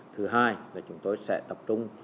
thứ hai là chúng tôi sẽ tập trung